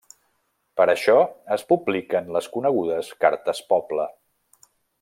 Per a això, es publiquen les conegudes Cartes Pobla.